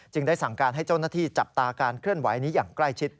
ได้สั่งการให้เจ้าหน้าที่จับตาการเคลื่อนไหวนี้อย่างใกล้ชิด